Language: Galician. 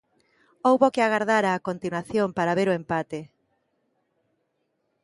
Houbo que agardar á continuación para ver o empate.